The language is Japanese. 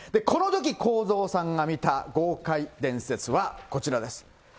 このとき、公造さんが見た豪快伝説はこちらです。